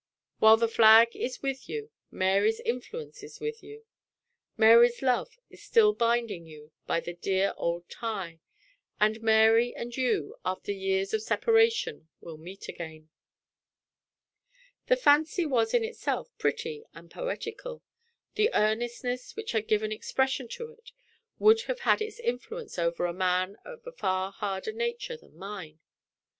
While the flag is with you, Mary's influence is with you; Mary's love is still binding you by the dear old tie; and Mary and you, after years of separation, will meet again!" The fancy was in itself pretty and poetical; the earnestness which had given expression to it would have had its influence over a man of a far harder nature than mine.